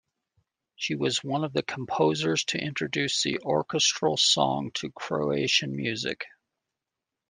She was one of the composers to introduce the orchestral song to Croatian music.